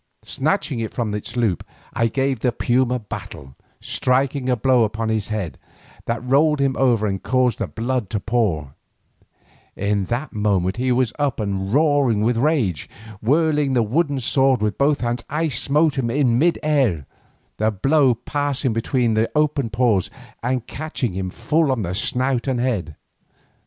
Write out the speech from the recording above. Snatching it from its loop I gave the puma battle, striking a blow upon his head that rolled him over and caused the blood to pour. In a moment he was up and at me roaring with rage. Whirling the wooden sword with both hands I smote him in mid air, the blow passing between his open paws and catching him full on the snout and head.